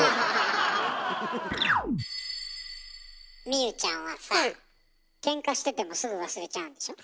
望結ちゃんはさあケンカしててもすぐ忘れちゃうんでしょ？